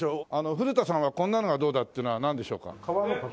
古田さんはこんなのはどうだっていうのはなんでしょうか？